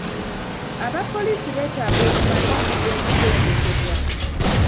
Abapoliisi beetaaga okumalirirza okutendekebwa.